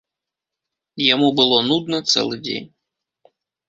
Яму было нудна цэлы дзень.